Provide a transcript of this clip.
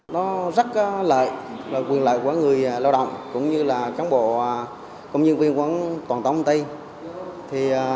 nó rất lợi và quyền lại cho người lao động cuối như là tráng bộ công nhân viên quán toàn tạo cộng ti